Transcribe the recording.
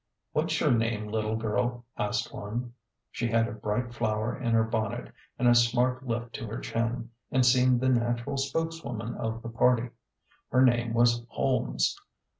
" What's your name, little girl ?" asked one. She had a bright flower in her bonnet and a smart lift to her chin, and seemed the natural spokeswoman of the party. Her name was Holmes.